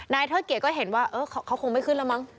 เทิดเกียจก็เห็นว่าเขาคงไม่ขึ้นแล้วมั้ง